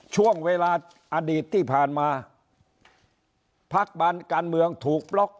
ช่วงเวลาอดีตที่ผ่านมาพักบานการเมืองถูกบล็อก